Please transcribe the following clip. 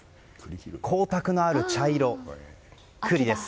光沢のある茶色、栗です。